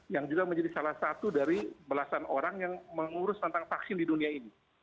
yang juga menjadi salah satu dari belasan orang yang mengurus tentang vaksin di dunia ini